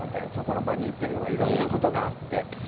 そこの場にいてとかいろんなことがあって。